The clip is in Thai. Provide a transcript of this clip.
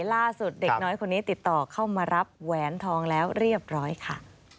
เด็กน้อยคนนี้ติดต่อเข้ามารับแหวนทองแล้วเรียบร้อยค่ะ